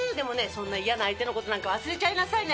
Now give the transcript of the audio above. そんな嫌な相手の事なんか忘れちゃいなさいね。